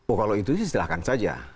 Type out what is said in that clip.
oh kalau itu istilahkan saja